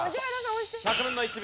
１００分の１秒。